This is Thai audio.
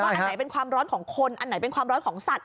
อันไหนเป็นความร้อนของคนอันไหนเป็นความร้อนของสัตว